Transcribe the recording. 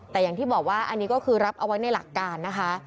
แต่อย่างที่บอกว่าอันนี้ก็คือรับเอาไว้ในหลักการนะคะ